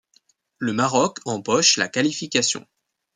Le Maroc empoche la qualification.